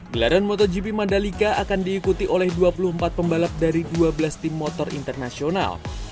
gelaran motogp mandalika akan diikuti oleh dua puluh empat pembalap dari dua belas tim motor internasional